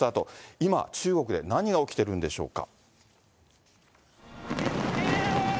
今、中国で何が起きてるんでしょうか。